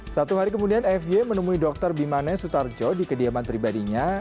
satu hari kemudian f y menemui dr bimanes sutarjo di kediaman pribadinya